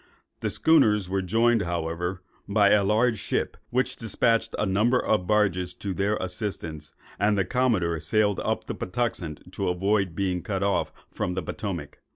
The schooners were joined, however, by a large ship, which despatched a number of barges to their assistance; and the commodore sailed up the Patuxent to avoid being cut off from the Potomac.